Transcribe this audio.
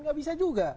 enggak bisa juga